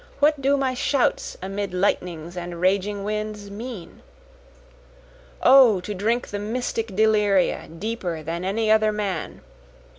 What do my shouts amid lightnings and raging winds mean?) O to drink the mystic deliria deeper than any other man!